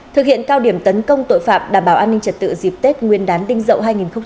thực hiện cao điểm tấn công tội phạm đảm bảo an ninh trật tự dịp tết nguyên đán đinh dậu hai nghìn hai mươi bốn